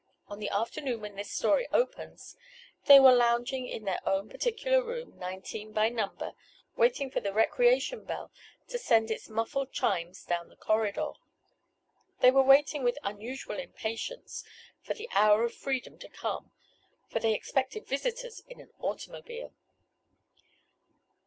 On the afternoon when this story opens they were lounging in their own particular room, nineteen by number, waiting for the recreation bell to send its muffled chimes down the corridor. They were waiting with unusual impatience, for the "hour of freedom" to come, for they expected visitors in an automobile.